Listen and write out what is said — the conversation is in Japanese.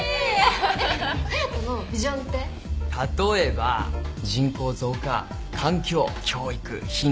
例えば人口増加環境教育貧困。